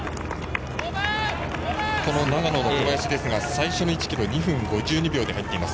長野の小林ですが最初の１ｋｍ２分５２秒で入っています。